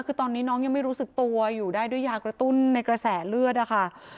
คือตอนนี้น้องยังไม่รู้สึกตัวอยู่ได้ด้วยยากระตุ้นในกระแสเลือดนะคะ